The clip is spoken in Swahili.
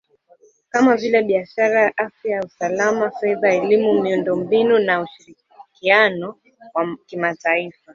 kama vile biashara , afya , usalama , fedha , elimu , miundo mbinu na ushirikiano wa kimataifa